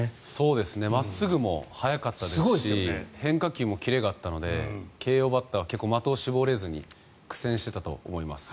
真っすぐも速かったですし変化球もキレがあったので慶応バッターは結構、的を絞れずに苦戦していたと思います。